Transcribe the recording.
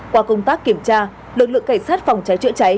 qua công tác kiểm tra lực lượng cảnh sát phòng cháy chữa cháy